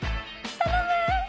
頼む！